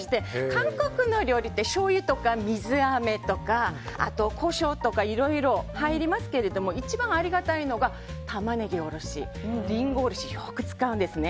韓国の料理ってしょうゆとか水あめとかあとコショウとかいろいろ入りますけど一番ありがたいのがタマネギおろしリンゴおろし、よく使うんですね。